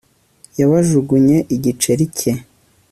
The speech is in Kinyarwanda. Yabajugunye igiceri cye